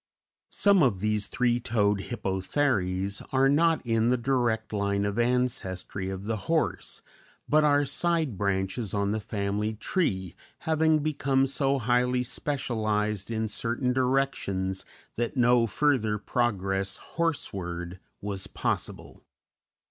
Some of these three toed Hippotheres are not in the direct line of ancestry of the horse, but are side branches on the family tree, having become so highly specialized in certain directions that no further progress horseward was possible.